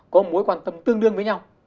có mối quan tâm tương đương với nhau